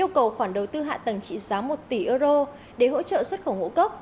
yêu cầu khoản đầu tư hạ tầng trị giá một tỷ euro để hỗ trợ xuất khẩu hỗ cấp